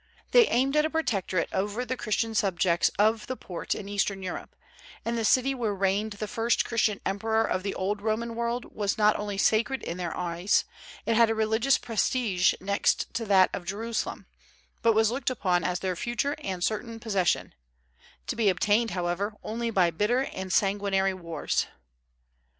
They aimed at a protectorate over the Christian subjects of the Porte in Eastern Europe; and the city where reigned the first Christian emperor of the old Roman world was not only sacred in their eyes, and had a religious prestige next to that of Jerusalem, but was looked upon as their future and certain possession, to be obtained, however, only by bitter and sanguinary wars.